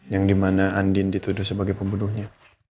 yang dimana andin dituduh sebagai pembunuhnya